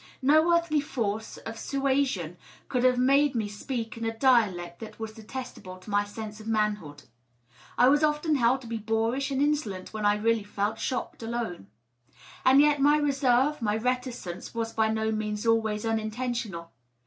No earthly force of suasion could have made me speak in a dialect that was detestable to my sense of manhood. I was often held to be boorish and insolent when I really felt shocked alone. And yet my reserve, my reticence, was by no means always uninten tional.